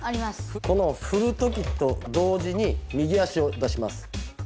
このふるときと同時に右足を出します。